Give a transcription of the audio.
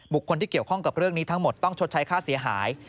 คนที่เกี่ยวข้องกับเรื่องนี้ทั้งหมดต้องชดใช้ค่าเสียหาย